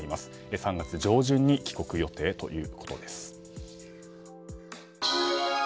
３月上旬に帰国予定ということです。